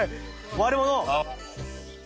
悪者！